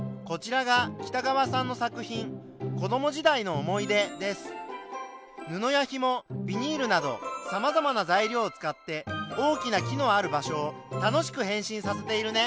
こちらが布やひもビニールなどさまざまな材料を使って大きな木のある場所を楽しく変身させているね。